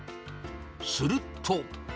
すると。